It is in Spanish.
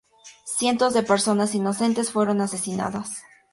Cientos de personas inocentes fueron asesinadas.